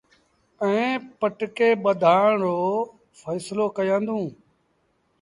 ائيٚݩ پٽڪي ٻڌآن رو ڦيسلو ڪيآݩدوݩ۔